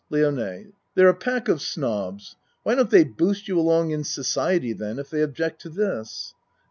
LIONE They're a pack of snobs. Why don't they boost you along in society then, if they object to this?